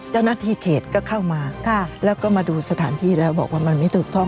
เจ้าหน้าที่เขตก็เข้ามาแล้วก็มาดูสถานที่แล้วบอกว่ามันไม่ถูกต้อง